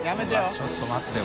ちょっと待ってよ